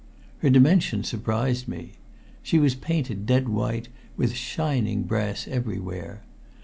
Her dimensions surprised me. She was painted dead white, with shining brass everywhere.